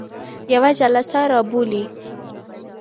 یوه جلسه را بولي.